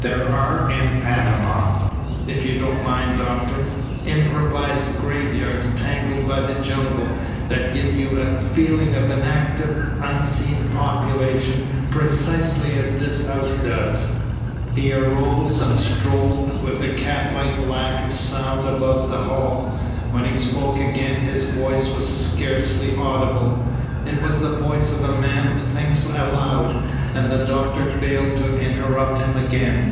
There are in Panama if you don't mind, doctor improvised graveyards, tangled by the jungle, that give you a feeling of an active, unseen population precisely as this house does." He arose and strolled with a cat like lack of sound about the hall. When he spoke again his voice was scarcely audible. It was the voice of a man who thinks aloud, and the doctor failed to interrupt him again.